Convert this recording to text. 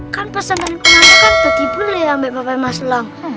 kan pas nekunanto kan udah dibeli sama bapak mas lang